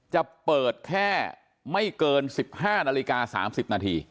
จะเปิดแค่ไม่เกิน๑๕นาฬิกา๓๐นาที